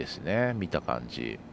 見た感じ。